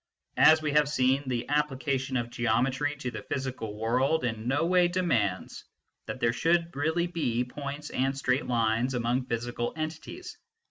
As we have seen, the application of geometry to the physical world in no way demands that there should really be points and straight lines among physical entities.